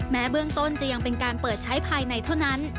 เบื้องต้นจะยังเป็นการเปิดใช้ภายในเท่านั้น